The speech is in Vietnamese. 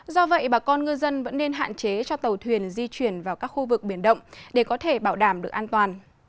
do vậy bà con ngư dân vẫn nên hạn chế cho tàu thuyền di chuyển vào các khu vực biển động để có thể bảo đảm được an toàn